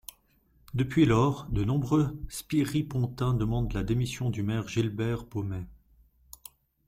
Depuis lors, de nombreux Spiripontains demandent la démission du maire Gilbert Baumet.